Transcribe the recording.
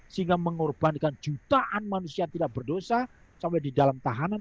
sehingga mengorbankan jutaan manusia yang tidak berdosa sampai di dalam tahanan